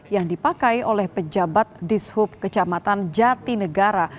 yang dipakai oleh pejabat dishub kecamatan jatinegara